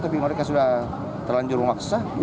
tapi mereka sudah terlanjur memaksa